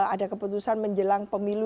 ada keputusan menjelang pemilu